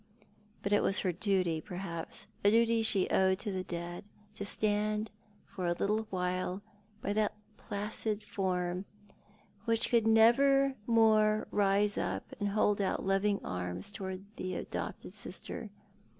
But it was her duty, perhaps — a duty she owed to the dead, to stand for a little while by that placid form, which could never more rise up and hold out loving arms towards the adopted sister.